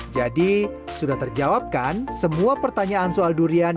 jadi sudah terjawabkan semua pertanyaan soal durian